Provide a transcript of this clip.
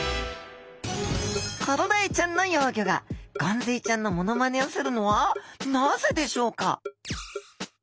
コロダイちゃんの幼魚がゴンズイちゃんのモノマネをするのはなぜでしょうか？